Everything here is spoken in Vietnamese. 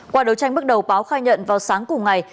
qua đấu tranh bước đầu báo khai nhận vào sáng cùng ngày